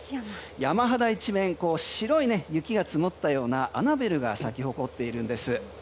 山肌一面白い雪が積もったようなアナベルが咲き誇っているんです。